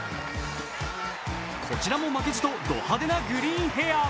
こちらも負けじとド派手なグリーンヘアー